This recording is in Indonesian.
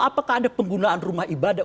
apakah ada penggunaan rumah ibadah